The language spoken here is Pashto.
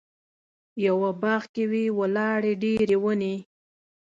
یوه باغ کې وې ولاړې ډېرې ونې.